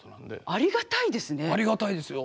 ありがたいですよ。